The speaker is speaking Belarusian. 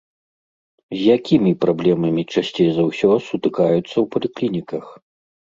З якімі праблемамі часцей за ўсё сутыкаюцца ў паліклініках?